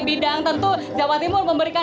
bidang tentu jawa timur memberikan